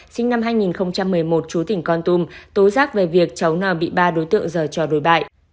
sinh năm hai nghìn một mươi một chú tỉnh con tum tố giác về việc cháu n bị ba đối tượng dở cho đối bại